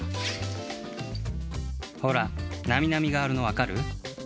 ほらなみなみがあるのわかる？